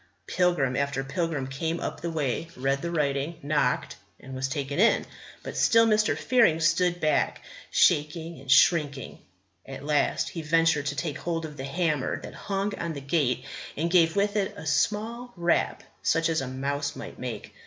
Pilgrim after pilgrim came up the way, read the writing, knocked, and was taken in; but still Mr. Fearing stood back, shaking and shrinking. At last he ventured to take hold of the hammer that hung on the gate and gave with it a small rap such as a mouse might make.